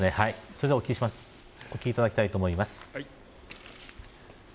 それではお聞きいただきたいと思います。